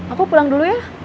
aku pulang dulu ya